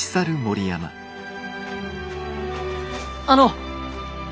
あの！